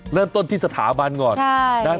เริ่มต้นที่สถาบันก่อน